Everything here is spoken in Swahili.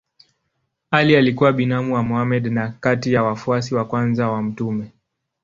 Ali alikuwa binamu wa Mohammed na kati ya wafuasi wa kwanza wa mtume.